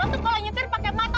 lo tuh kalau nyetir pakai mata